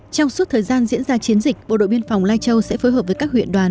trong suốt thời gian diễn ra chiến dịch bộ đội biên phòng lai châu sẽ phối hợp với các huyện đoàn